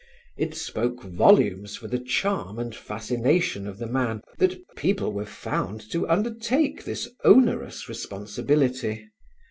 It spoke volumes for the charm and fascination of the man that people were found to undertake this onerous responsibility.